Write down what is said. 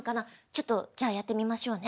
ちょっとじゃあやってみましょうね。